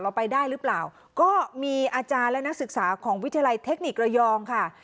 เราไปได้หรือเปล่าก็มีอาจารย์และนักศึกษาของวิทยาลัยเทคนิคระยองค่ะ